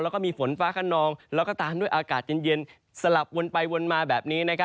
แล้วก็มีฝนฟ้าขนองแล้วก็ตามด้วยอากาศเย็นสลับวนไปวนมาแบบนี้